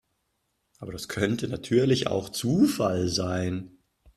Aber das könnte natürlich auch Zufall sein.